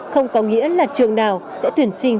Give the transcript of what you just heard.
không có nghĩa là trường nào sẽ tuyển sinh